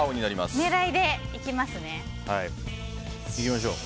それ狙いでいきますね。